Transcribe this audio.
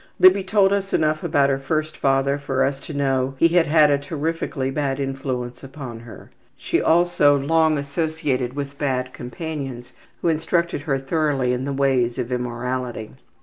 '' Libby told us enough about her first father for us to know he had had a terrifically bad influence upon her. She also long associated with bad companions who instructed her thoroughly in the ways of immorality.